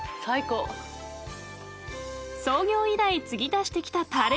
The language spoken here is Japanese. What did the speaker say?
［創業以来注ぎ足してきたタレ］